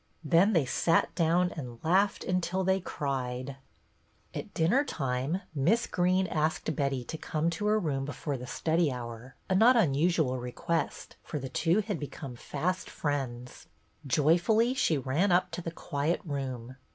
Then they sat down and laughed until they cried. BETTY BAIRD 136 At dinner time Miss Greene asked Betty to come to her room before the study hour, a not unusual request, for the two had become fast friends. Joyfully she ran up to the quiet room.